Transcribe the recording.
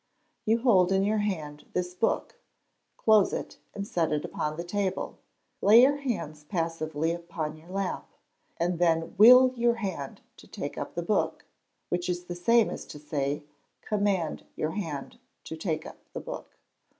You hold in your hand this book: close it, and set it upon the table; lay your hands passively upon your lap, and then will your hand, to take up the book, which is the same as to say, command your hand to take up the book.